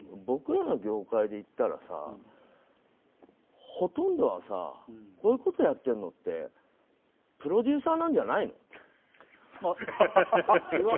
僕らの業界で言ったらさほとんどはさこういうことやっているのってプロデューサーなんじゃないの？